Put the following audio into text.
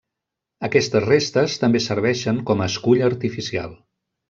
Aquestes restes també serveixen com a escull artificial.